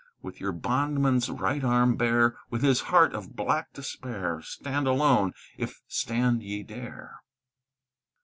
"With your bondman's right arm bare, With his heart of black despair, Stand alone, if stand ye dare!